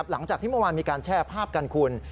หลังจากที่เมื่อวานมีการแชร์ภาพกันคุณ